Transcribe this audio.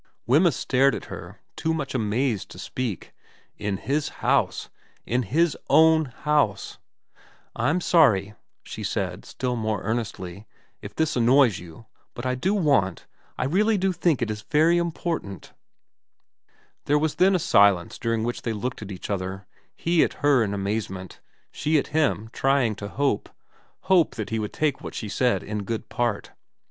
Wemyss stared at her, too much amazed to speak. In his house ... In his own house ! 'I'm sorry, 'she said, still more earnestly, 'if this annoys you, but I do want I really do think it is very important/ There was then a silence during which they looked at each other, he at her in amazement, she at him trying to hope, hope that he would take what she had said in good part.